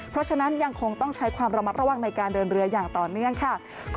เพราะฉะนั้นยังคงต้องใช้ความระมัดระวังในการเดินเรืออย่างต่อเนื่องค่ะ